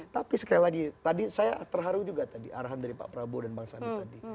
tapi sekali lagi tadi saya terharu juga tadi arahan dari pak prabowo dan bang sandi tadi